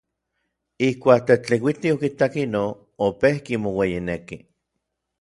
Ijkuak Tetlikuiti okitak inon, opejki moueyineki.